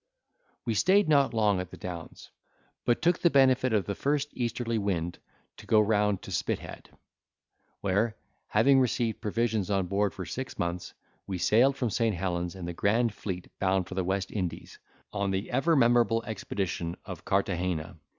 We stayed not long at the Downs, but took the benefit of the first easterly wind to go round to Spithead: where, having received provisions on board for six months, we sailed from St. Helen's in the grand fleet bound for the West Indies, on the ever memorable expedition of Carthagena.